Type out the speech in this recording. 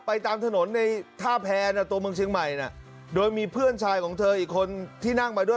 ตามถนนในท่าแพนตัวเมืองเชียงใหม่น่ะโดยมีเพื่อนชายของเธออีกคนที่นั่งมาด้วย